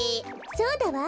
そうだわ！